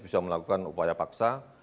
bisa melakukan upaya paksa